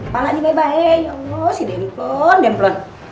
palanya baik baik ya ampun si demplon demplon